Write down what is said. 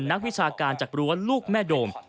นักวิชาการจากรั้วลูกแม่โดม